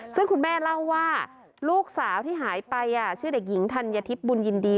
ซึ่งคุณแม่เล่าว่าลูกสาวที่หายไปชื่อเด็กหญิงธัญทิพย์บุญยินดี